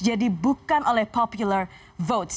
jadi bukan oleh popular votes